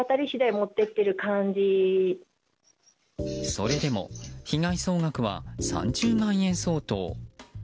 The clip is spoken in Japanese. それでも被害総額は３０万円相当。